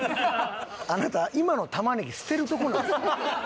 あなた今の玉ねぎ捨てるとこなんですか？